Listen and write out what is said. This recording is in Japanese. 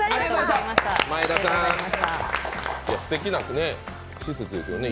すてきな施設ですよね